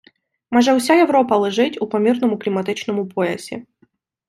Майже уся Європа лежить у помірному кліматичному поясі.